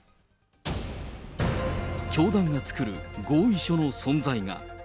教団が作る合意書の存在が。